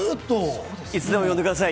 いつでも呼んでください。